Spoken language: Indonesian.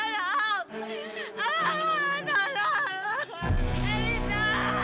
ya udah kita bisa